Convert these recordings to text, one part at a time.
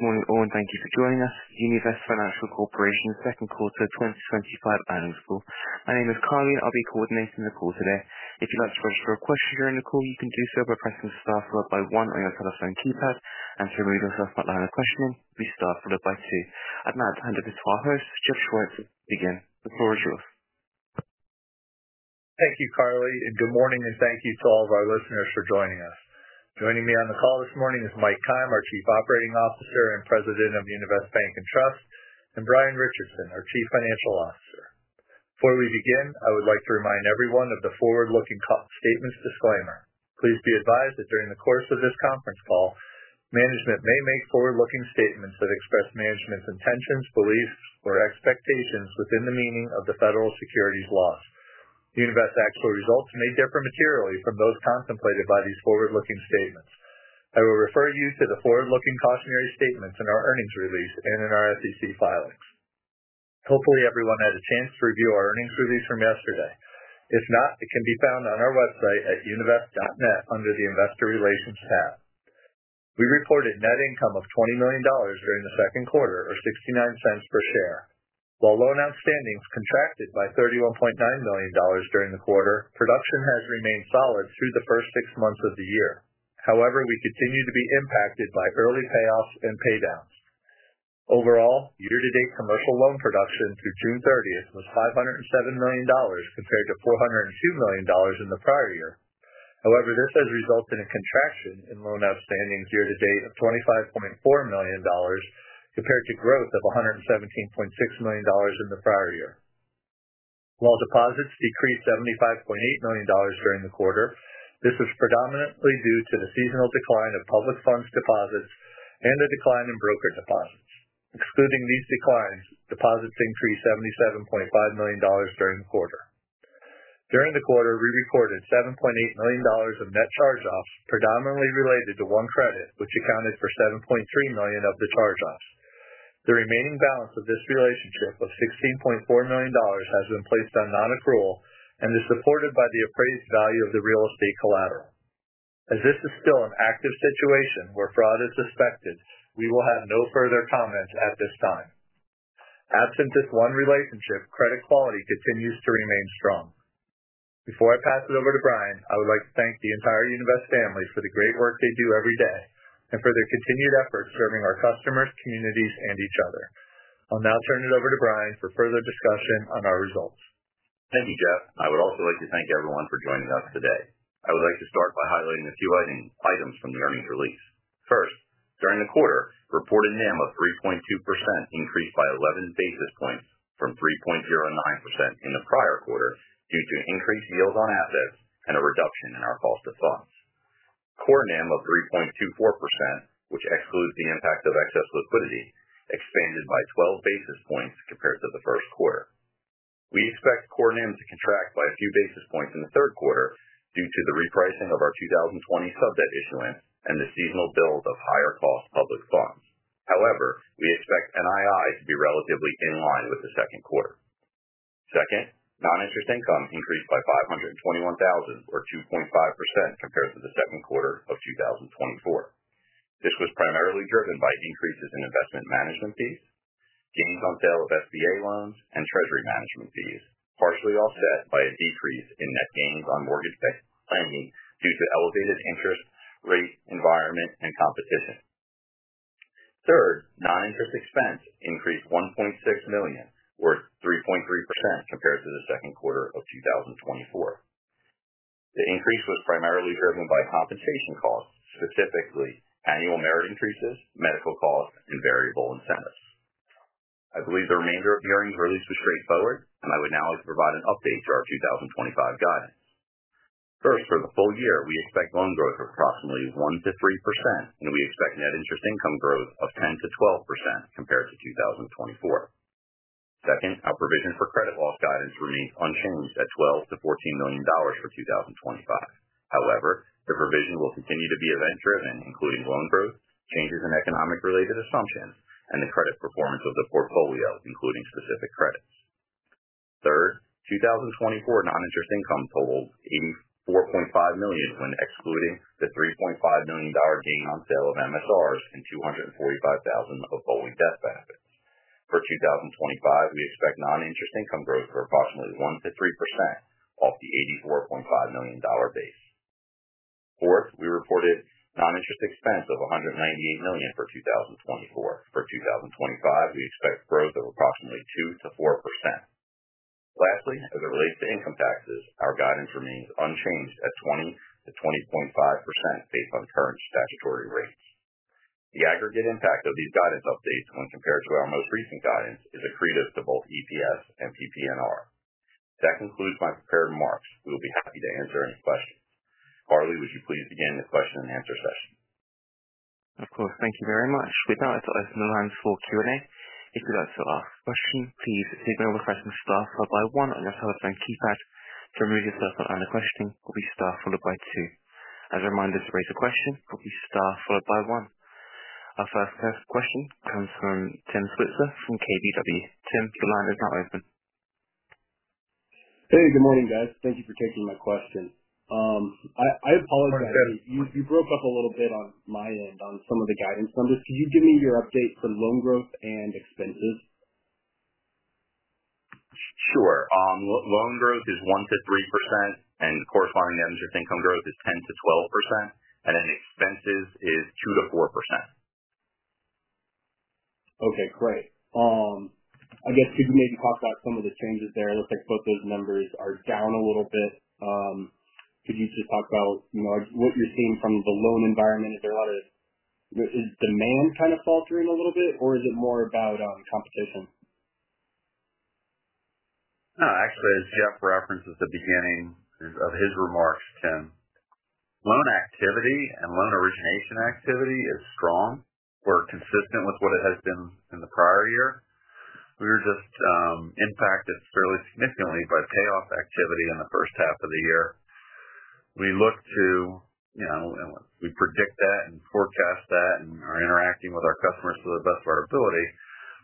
Good morning all, and thank you for joining us for Univest Financial Corporation's Second Quarter 2025 Earnings Call. My name is Carly. I'll be coordinating the call today. If you'd like to ask a question during the call, you can do so by pressing the star followed by one on your telephone keypad. If you're ready to ask that line of questioning, press star followed by two. I'd now hand it over to our host, Jeff Schweitzer, to begin. The floor is yours. Thank you, Carly. Good morning, and thank you to all of our listeners for joining us. Joining me on the call this morning is Mike Keim, our Chief Operating Officer and President of Univest Bank and Trust, and Brian Richardson, our Chief Financial Officer. Before we begin, I would like to remind everyone of the forward-looking statements disclaimer. Please be advised that during the course of this conference call, management may make forward-looking statements that express management's intentions, beliefs, or expectations within the meaning of the Federal Securities Law. Univest 's actual results may differ materially from those contemplated by these forward-looking statements. I will refer you to the forward-looking cautionary statements in our earnings release and in our SEC filings. Hopefully, everyone had a chance to review our earnings release from yesterday. If not, it can be found on our website at univest.net under the Investor Relations tab. We reported net income of $20 million during the second quarter, or $0.69 per share. While loan outstandings contracted by $31.9 million during the quarter, production has remained solid through the first six months of the year. However, we continue to be impacted by early payoffs and paydowns. Overall, year-to-date commercial loan production through June 30, 2023 was $507 million compared to $402 million in the prior year. However, this has resulted in a contraction in loan outstandings year to date of $25.4 million compared to growth of $117.6 million in the prior year. While deposits decreased $75.8 million during the quarter, this is predominantly due to the seasonal decline of public funds deposits and the decline in brokered deposits. Excluding these declines, deposits increased $77.5 million during the quarter. During the quarter, we recorded $7.8 million of net charge-offs, predominantly related to one credit relationship, which accounted for $7.3 million of the charge-off. The remaining balance of this relationship of $16.4 million has been placed on non-accrual and is supported by the appraised value of the real estate collateral. As this is still an active situation where fraud is suspected, we will have no further comments at this time. Absent this one relationship, credit quality continues to remain strong. Before I pass it over to Brian, I would like to thank the entire Univest family for the great work they do every day and for their continued efforts serving our customers, communities, and each other. I'll now turn it over to Brian for further discussion on our results. Thank you, Jeff. I would also like to thank everyone for joining us today. I would like to start by highlighting a few items from the earnings release. First, during the quarter, reported NIM of 3.2%, increased by 11 basis points from 3.09% in the prior quarter due to increased yield on assets and a reduction in our cost of funds. Core NIM of 3.24%, which excludes the impact of excess liquidity, expanded by 12 basis points compared to the first quarter. We expect core NIM to contract by a few basis points in the third quarter due to the repricing of our 2020 sub-debt issuance and the seasonal build of higher cost public funds. However, we expect NII to be relatively in line with the second quarter. Second, non-interest income increased by $521,000, or 2.5% compared to the second quarter of 2024. This was primarily driven by increases in investment management fees, gains on sale of SBA loans, and treasury management fees, partially offset by a decrease in net gains on mortgage payments due to elevated interest rates, environment, and competition. Third, non-interest expense increased $1.6 million, or 3.3% compared to the second quarter of 2024. The increase was primarily driven by compensation costs, specifically annual merit increases, medical costs, and variable incentives. I believe the remainder of the earnings release is straightforward, and I would now like to provide an update to our 2025 guidance. First, for the full year, we expect loan growth of approximately 1% to 3%, and we expect net interest income growth of 10% to 12% compared to 2024. Second, our provision for credit loss guidance remains unchanged at $12 million to $14 million for 2025. However, the provision will continue to be event-driven, including loan growth, changes in economic-related assumptions, and the credit performance of the portfolio, including specific credits. Third, 2024 non-interest income totaled $84.5 million when excluding the $3.5 million gain on sale of MSRs and $245,000 of BOLI death benefits. For 2025, we expect non-interest income growth of approximately 1% to 3% off the $84.5 million basis. Fourth, we reported non-interest expense of $198 million for 2024. For 2025, we expect growth of approximately 2% to 4%. Lastly, as it relates to income taxes, our guidance remains unchanged at 20% to 20.5% based on current statutory rates. The aggregate impact of these guidance updates when compared to our most recent guidance is accretive to both EPS and PPNR. That concludes my prepared remarks. We will be happy to answer any questions. Carly, would you please begin the question and answer session? Of course. Thank you very much. Good night. I'd like to open the round for Q&A. If you'd like to ask a question, please do that on the front of the staff followed by one on your telephone keypad. To remove yourself or any questioning, it will be star followed by two. As a reminder, to raise a question, it will be star followed by one. Our first question comes from Tim Switzer from KBW. Tim the line is now open. Hey, good morning, guys. Thank you for taking my question. You broke up a little bit on my end on some of the guidance numbers. Can you give me your update for loan growth and expenses? Sure. Loan growth is 1% - 3%, and the corresponding non-interest income growth is 10% - 12%, and then expenses is 2% - 4%. Okay. Great. I guess, could you maybe talk about some of the changes there? It looks like both those numbers are down a little bit. Could you just talk about, you know, what you're seeing from the loan environment? Is there a lot of, is demand kind of faltering a little bit, or is it more about competition? No, actually, as Jeff referenced at the beginning of his remarks, Tim, loan activity and loan origination activity is strong or consistent with what it has been in the prior year. We were impacted fairly significantly by payoff activity in the first half of the year. We predict that and forecast that and are interacting with our customers to the best of our ability.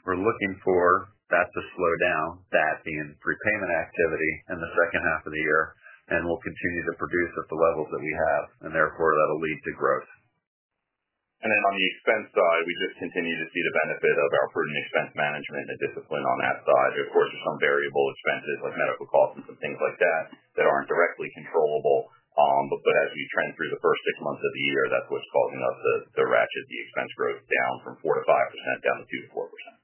We're looking for that to slow down, that being prepayment activity in the second half of the year, and we'll continue to produce at the level that we have, and therefore, that'll lead to growth. On the expense side, we just continue to see the benefit of our prudent expense management and discipline on that side. Of course, with some variable expenses like medical costs and some things like that that aren't directly controllable, as you trend through the first six months of the year, that's what's causing us to ratchet the expense growth down from 4% - 5% down to 2% - 4%.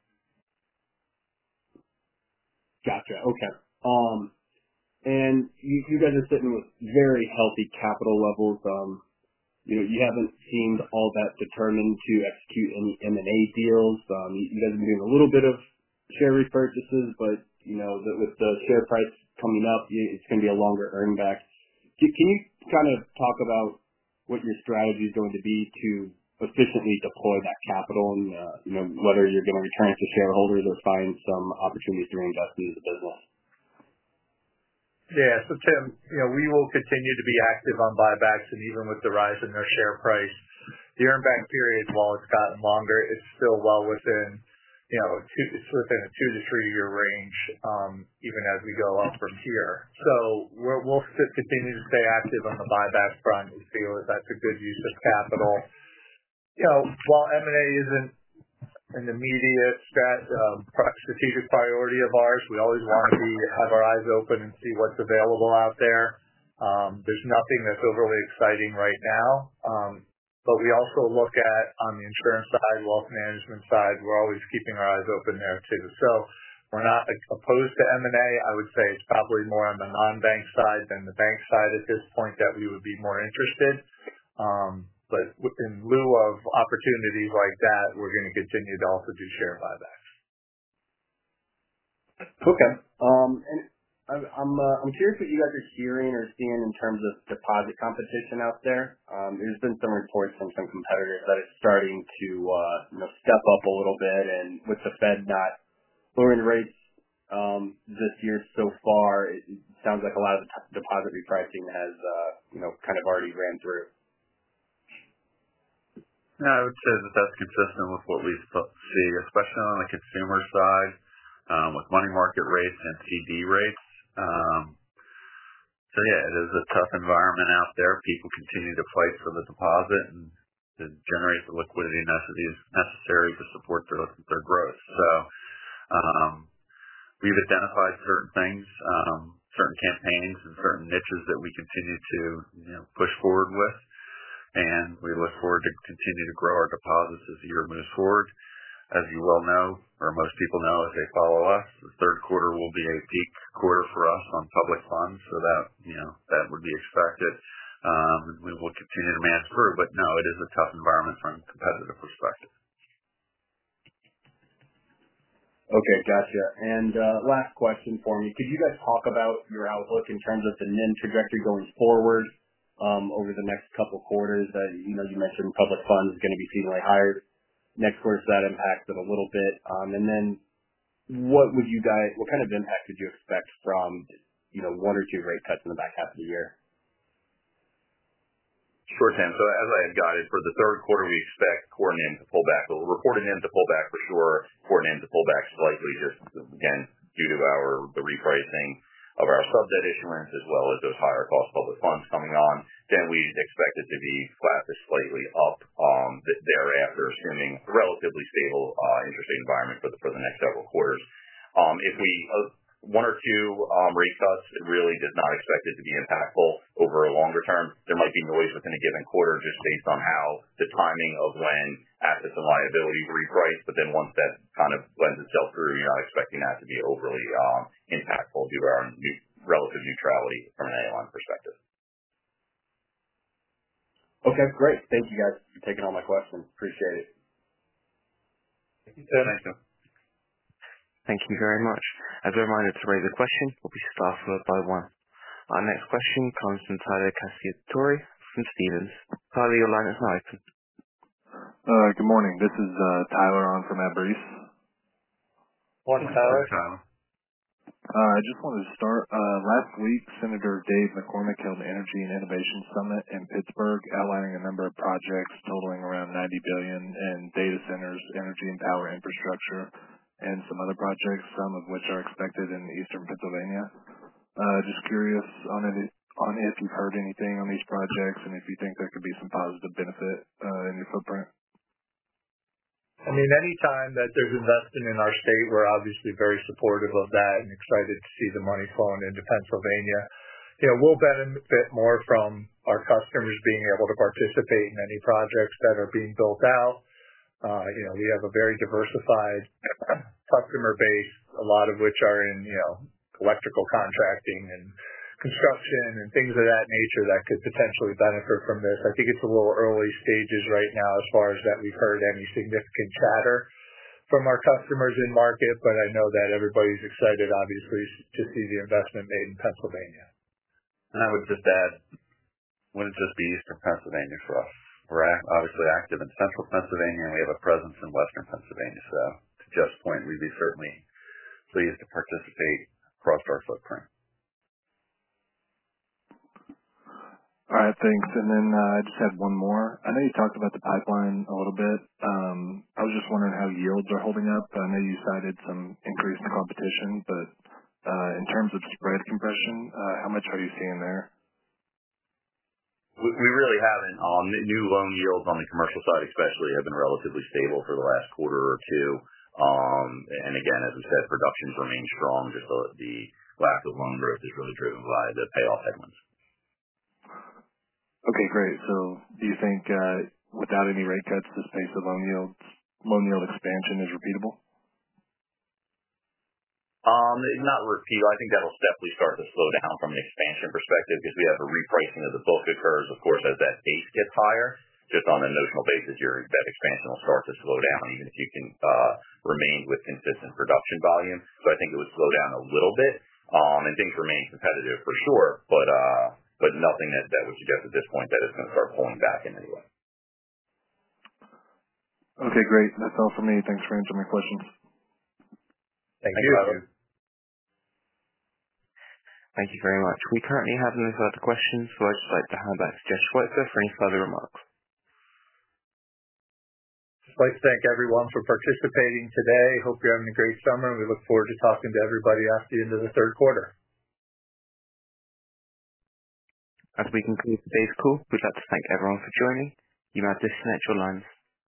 Gotcha. Okay. You guys are sitting with very healthy capital levels. You haven't seemed all that determined to execute in M&A deals. You guys have been doing a little bit of share repurchases, but you know that with the share price coming up, it's going to be a longer earning back. Can you kind of talk about what your strategy is going to be to efficiently deploy capital and whether you're going to return to shareholders or find some opportunities to reinvest into the business? Yeah. Tim, you know, we will continue to be active on buybacks, and even with the rise in our share price, the earning back period, while it's gotten longer, is still well within, you know, it's within a two to three-year range, even as we go up from here. We'll continue to stay active on the buyback front and see if that's a good use of capital. You know, while M&A isn't an immediate strategic priority of ours, we always want to have our eyes open and see what's available out there. There's nothing that's overly exciting right now, but we also look at, on the insurance side, wealth management side, we're always keeping our eyes open there too. We're not opposed to M&A. I would say it's probably more on the non-bank side than the bank side at this point that we would be more interested. In lieu of opportunities like that, we're going to continue to also do share buybacks. Okay. I'm curious what you guys are hearing or seeing in terms of deposit competition out there. There's been some reports from some competitors that are starting to, you know, step up a little bit. With the Fed not lowering rates this year so far, it sounds like a lot of the deposit repricing has, you know, kind of already ran through. Yeah, I would say that that's consistent with what we've seen, especially on the consumer side, with money market rates and TD rates. It is a tough environment out there. People continue to fight for the deposit and to generate the liquidity necessary to support their growth. We've identified certain things, certain campaigns, and certain niches that we continue to push forward with. We look forward to continuing to grow our deposits as the year moves forward. As you well know, or most people know, as they follow us, the third quarter will be a peak quarter for us on public funds. That would be expected. We will continue to man through. It is a tough environment from a competitive perspective. Okay. Gotcha. Last question for me. Could you guys talk about your outlook in terms of the NIM trajectory going forward over the next couple of quarters? You mentioned public funds are going to be seemingly higher. Where's that impact a little bit? What kind of impact did you expect from one or two rate cuts in the back half of the year? Sure, Tim. As I had guided, for the third quarter, we expect core NIM to pull back. We're reporting NIM to pull back for sure. Core NIM to pull back slightly just, again, due to the repricing of our sub-debt issuance as well as those higher cost public funds coming on. We expect it to be flat to slightly up thereafter, assuming a relatively stable, interesting environment for the next several quarters. If the one or two rate cuts really did not expect it to be impactful over a longer term, there might be noise within a given quarter just based on how the timing of when assets and liability were repriced. Once that kind of lends itself through, you're not expecting that to be overly impactful due to our relative neutrality from an ALM perspective. Okay. Great. Thank you, guys, for taking all my questions. Appreciate it. Thank you, Tim. Thanks, Tim. Thank you very much. As a reminder, to raise a question, it will be star followed by one. Our next question comes from Tyler Cacciatori from Stephens. Tyler, your line is now open. Good morning. This is Tyler on for Matt Breese.. Morning, Tyler. I just wanted to start. Last week, Senator Dave McCormick held the Energy and Innovation Summit in Pittsburgh, outlining a number of projects totaling around $90 billion in data centers, energy and power infrastructure, and some other projects, some of which are expected in Eastern Pennsylvania. Just curious if you've heard anything on these projects and if you think there could be some positive benefit in your footprint? I mean, anytime that there's investment in our state, we're obviously very supportive of that and excited to see the money flowing into Pennsylvania. We'll benefit more from our customers being able to participate in any projects that are being built out. We have a very diversified customer base, a lot of which are in electrical contracting and construction and things of that nature that could potentially benefit from this. I think it's a little early stages right now as far as that we've heard any significant chatter from our customers in market, but I know that everybody's excited, obviously, to see the investment made in Pennsylvania. I would just add, wouldn't it be Eastern Pennsylvania for us? We're obviously active in Central Pennsylvania, and we have a presence in Western Pennsylvania. To Jeff's point, we'd be certainly pleased to participate across our footprint. All right. Thanks. I just have one more. I know you talked about the pipeline a little bit. I was just wondering how yields are holding up. I know you cited some increase in competition, but in terms of spread compression, how much are you seeing there? We really haven't. New loan yields on the commercial side especially have been relatively stable for the last quarter or two. As we said, production remains strong. The lack of loan growth is really driven by the payoff headwinds. Okay. Great. Do you think, doubt any rate cuts as the pace of loan yield expansion is repeatable? Not repeatable. I think that'll definitely start to slow down from an expansion perspective because we have a repricing of the book occurs. Of course, as that pace gets higher, just on a notional basis, that expansion will start to slow down even if you can remain with consistent production volumes. I think it would slow down a little bit, and things remain competitive for sure, but nothing that would suggest at this point that it's going to start pulling back in anyway. Great. That's all for me. Thanks for answering my questions. Thank you, Tyler. Thank you, Tyler. Thank you very much. We currently have no further questions, so I'd like to hand back to Jeff Schweitzer for any further remarks. I'd just like to thank everyone for participating today. Hope you're having a great summer, and we look forward to talking to everybody after the end of the third quarter. As we conclude today's call, we'd like to thank everyone for joining. You may disconnect your lines.